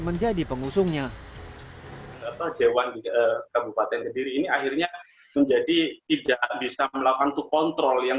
menjadi pengusungnya jawan kabupaten kediri ini akhirnya menjadi tidak bisa melakukan kontrol yang